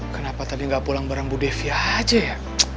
kenapa tadi nggak pulang barang bu devi aja ya